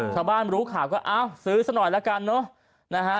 ข้าวบ้านรู้ข่าวก็เอ้าซื้อสักหน่อยละกันเนอะ